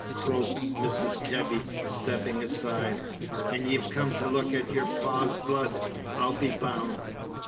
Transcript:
croaked Mrs. Kebby, stepping aside. "And ye've come to look at your pa's blood, I'll be bound."